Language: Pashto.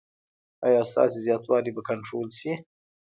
ایا ستاسو زیاتوالی به کنټرول شي؟